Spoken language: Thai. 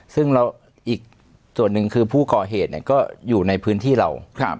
ซึ่งเราอีกส่วนหนึ่งคือผู้ก่อเหตุก็อยู่ในพื้นที่เรา